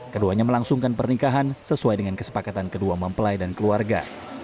keduanya melangsungkan pernikahan sesuai dengan kesepakatan kedua mempelai dan keluarga